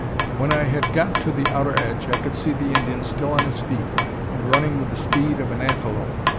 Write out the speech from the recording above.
When I had got to the outer edge I could see the Indian still on his feet, and running with the speed of an antelope.